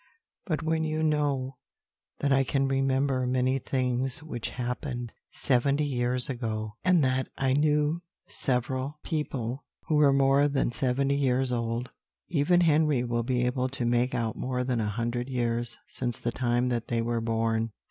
But when you know that I can remember many things which happened seventy years ago, and that I then knew several people who were more than seventy years old even Henry will be able to make out more than a hundred years since the time that they were born."